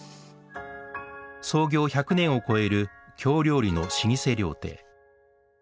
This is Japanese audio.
創業１００年を超える京料理の老舗料亭。